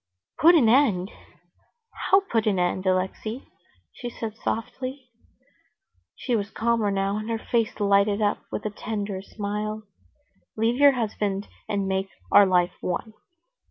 "Put an end? How put an end, Alexey?" she said softly. She was calmer now, and her face lighted up with a tender smile. "Leave your husband and make our life one."